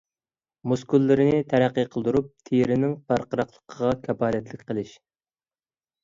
مۇسكۇللىرىنى تەرەققىي قىلدۇرۇپ، تېرىنىڭ پارقىراقلىقىغا كاپالەتلىك قىلىش.